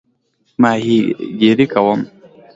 ماهیګیري کوم؟